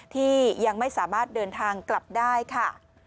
ที่ยังไม่สามารถเดินทางกลับได้ค่ะ